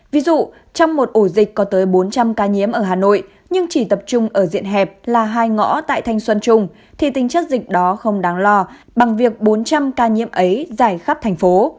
ví dụ trong một ổ dịch có tới bốn trăm linh ca nhiễm ở hà nội nhưng chỉ tập trung ở diện hẹp là hai ngõ tại thanh xuân trung thì tính chất dịch đó không đáng lo bằng việc bốn trăm linh ca nhiễm ấy dài khắp thành phố